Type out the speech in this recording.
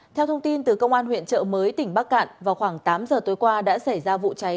theo thông tin từ công an huyện trợ mới tỉnh bắc cạn vào khoảng tám giờ tối qua đã xảy ra vụ cháy